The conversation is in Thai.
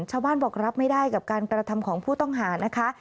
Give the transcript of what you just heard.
ชาวบ้านบอกรับไม่ได้กับการกระทำของผู้ต้องหานะคะ